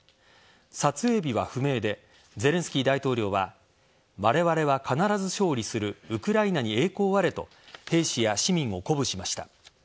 撮影日は不明でゼレンスキー大統領はわれわれは必ず勝利するウクライナに栄光あれと兵士や市民を鼓舞しました。